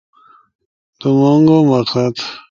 دُومونگو مقصد